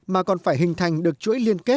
mà còn phải hình thành được chuỗi liên quan